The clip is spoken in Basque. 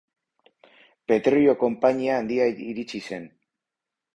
Petrolio-konpainia handia iritsi zen.